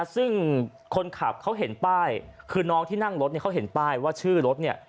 ซึ่งคนขับเขาเห็นป้ายคือน้องที่นั่งรถเนี่ยเขาเห็นป้ายว่าชื่อรถเนี่ย